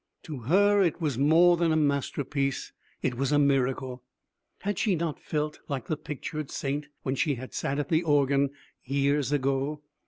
To her it was more than a masterpiece; it was a miracle. Had she not felt like the pictured saint, when she had sat at the organ, years ago?